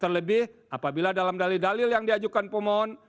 terlebih apabila dalam dalil dalil yang diajukan pemohon